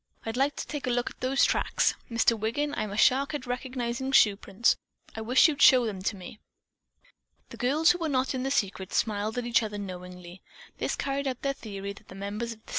I'd like to take a look at those tracks. Mr. Wiggin, I'm a shark at recognizing shoeprints. I wish you'd show them to me." The girls, who were not in the secret, smiled at each other knowingly. This carried out their theory that the members of the "C.